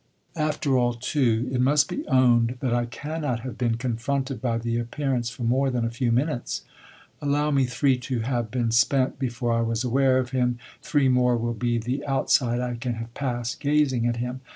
After all, too, it must be owned that I cannot have been confronted by the appearance for more than a few minutes. Allow me three to have been spent before I was aware of him, three more will be the outside I can have passed gazing at him.